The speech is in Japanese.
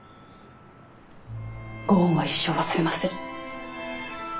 ご恩は一生忘れません。